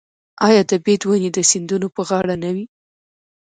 آیا د بید ونې د سیندونو په غاړه نه وي؟